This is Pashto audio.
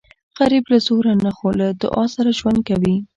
غریب له زوره نه خو له دعا سره ژوند کوي